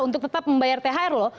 untuk tetap membayar thr loh